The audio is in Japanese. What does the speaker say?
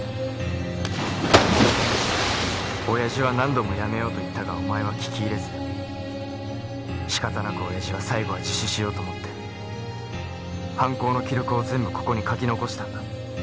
親父は何度もやめようと言ったがお前は聞き入れず仕方なく親父は最後は自首しようと思って犯行の記録を全部ここに書き残したんだ。